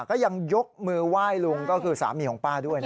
ก็ยังยกมือไหว้ลุงก็คือสามีของป้าด้วยนะ